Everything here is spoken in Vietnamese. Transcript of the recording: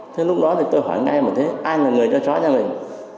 thế lúc đó thì tôi hỏi ngay mà thế ai là người cho chó nhà mình